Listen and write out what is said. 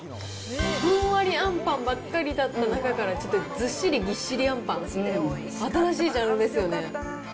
ふんわりあんパンばっかりだった中からちょっとずっしりぎっしりあんパン、新しいジャンルですよね。